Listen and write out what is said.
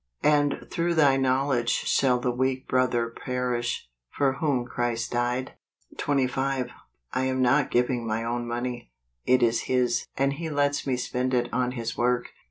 " And through thy knowledge shall the xceak brother perish, for whom Christ died ?" 25. I am not giving my own money ; it is His, and He lets me spend it on His work.